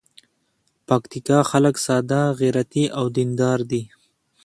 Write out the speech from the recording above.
پکتیکا خلک ساده، غیرتي او دین دار دي.